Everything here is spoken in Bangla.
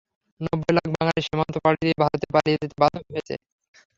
নব্বই লাখ বাঙালি সীমান্ত পাড়ি দিয়ে ভারতে পালিয়ে যেতে বাধ্য হয়েছে।